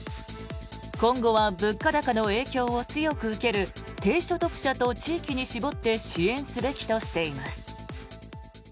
今後は物価高の影響を強く受ける低所得者と地域に絞って支援すべきとしています。